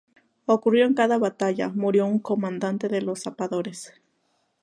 Ocurrió que en cada batalla murió un comandante de los Zapadores.